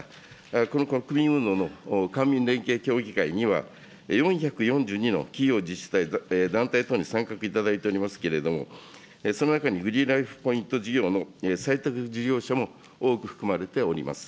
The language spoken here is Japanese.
この国民運動の官民連携協議会には、４４２の企業、自治体、団体等に参画いただいておりますけれども、その中にグリーンライフ・ポイント事業の採択事業者も多く含まれております。